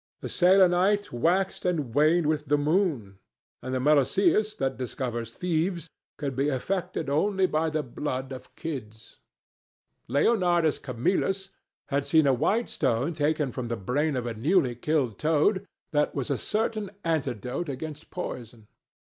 The selenite waxed and waned with the moon, and the meloceus, that discovers thieves, could be affected only by the blood of kids. Leonardus Camillus had seen a white stone taken from the brain of a newly killed toad, that was a certain antidote against poison.